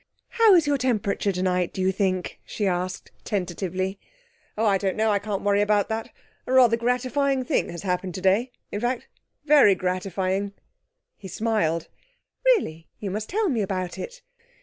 'How is your temperature tonight, do you think?' she asked tentatively. 'Oh, I don't know. I can't worry about that. A rather gratifying thing has happened today, in fact, very gratifying.' He smiled. 'Really? You must tell me about it.'